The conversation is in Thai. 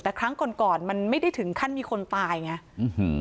แต่ครั้งก่อนก่อนมันไม่ได้ถึงขั้นมีคนตายไงอื้อหือ